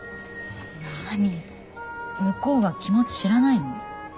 何向こうは気持ち知らないの？